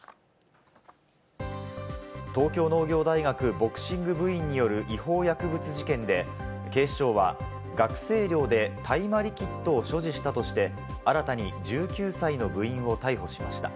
東京農業大学ボクシング部員による違法薬物事件で、警視庁は学生寮で大麻リキッドを所持したとして、新たに１９歳の部員を逮捕しました。